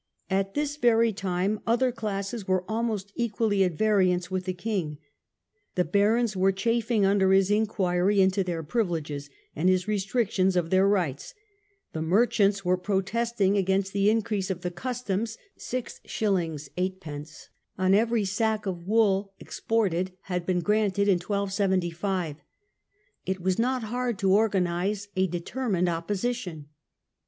At this very time other classes were almost equally at variance with the king. The barons were chafing under his inquiry into their privileges, and his restrictions of their rights. The merchants were protesting against the increase of the customs {6j. Zd, on each sack of wool exported had 94 EDWARD AND THE BARONS. been first granted in 1275). k was not hard to organize a determined opposition.